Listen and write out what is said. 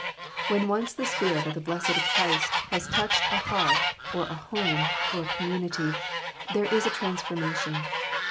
When once the spirit of the blessed Christ has touched a heart or a home or a community, there is a transformation.